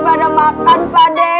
bagaimana makan pak dek